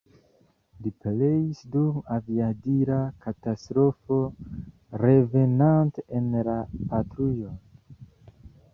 Li pereis dum aviadila katastrofo revenante en la patrujon.